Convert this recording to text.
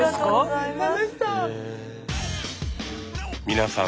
皆さん